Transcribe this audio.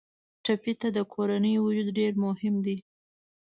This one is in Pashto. ټپي ته د کورنۍ وجود ډېر مهم دی.